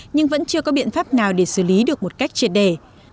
nhưng vẫn chưa có biện pháp nào để xử lý được một cách triệt đề